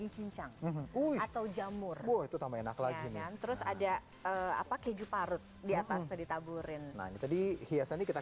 cincang atau jamur itu tambah enak lagi terus ada apa keju parut di atas ditaburin tadi hiasan kita